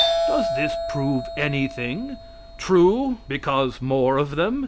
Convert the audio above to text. Does this prove anything? True, because more of them.